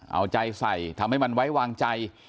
เอาใจใส่ทำให้มันไว้วางใจ